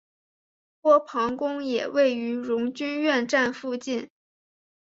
波旁宫也位于荣军院站附近。